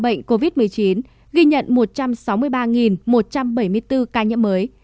bệnh covid một mươi chín ghi nhận một trăm sáu mươi ba một trăm bảy mươi bốn ca nhiễm mới